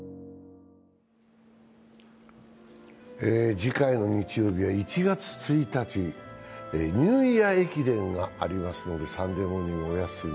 次回の日曜日は１月１日、ニューイヤー駅伝がありますので「サンデーモーニング」はお休み。